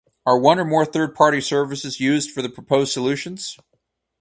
Are one or more third party services used for the proposed solutions?